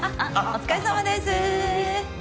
お疲れさまです。